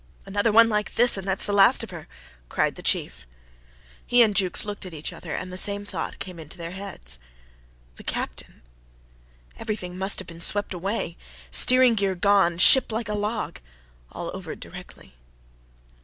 "Another one like this, and that's the last of her," cried the chief. He and Jukes looked at each other, and the same thought came into their heads. The Captain! Everything must have been swept away. Steering gear gone ship like a log. All over directly.